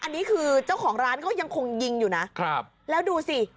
อันนี้คือเจ้าของร้านเขายังคงยิงอยู่นะครับแล้วดูสิ